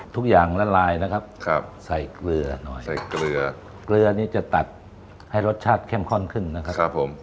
ทุกอย่างละลายนะครับใส่เกลือจะตัดให้รสชาติแข้มข้อนขึ้นนะครับ